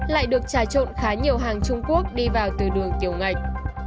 lại được trà trộn khá nhiều hàng trung quốc đi vào từ đường tiểu ngạch